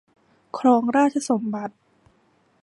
ครองราชสมบัติ